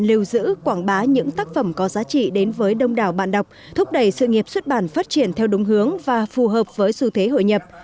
lưu giữ quảng bá những tác phẩm có giá trị đến với đông đảo bạn đọc thúc đẩy sự nghiệp xuất bản phát triển theo đúng hướng và phù hợp với xu thế hội nhập